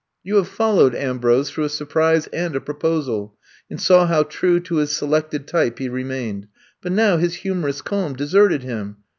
You have followed Ambrose through a surprise and a proposal, and saw how true to his selected type he remained — but now his humorous calm deserted him.